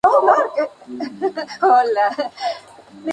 Desde pequeño ha mostrado vocación artística: cantaba, pintaba, interpretaba.